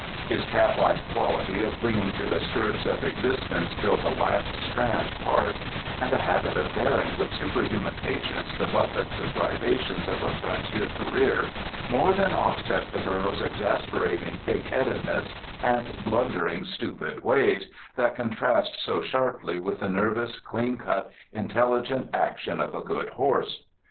His cat like quality of clinging to the skirts of existence till the last strand parts, and the habit of bearing with superhuman patience the buffets and privations of a frontier career, more than offset the burro's exasperating pigheadedness and blundering, stupid ways, that contrast so sharply with the nervous, clean cut, intelligent ac tion of a good horse.